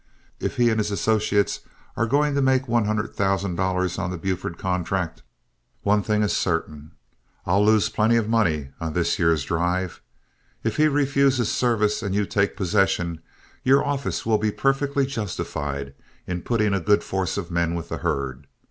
If he and his associates are going to make one hundred thousand dollars on the Buford contract, one thing is certain I'll lose plenty of money on this year's drive. If he refuses service and you take possession, your office will be perfectly justified in putting a good force of men with the herd.